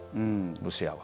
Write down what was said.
ロシアは。